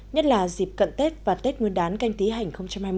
nhất là dịp cận tết và tết nguyên đán canh tí hành hai mươi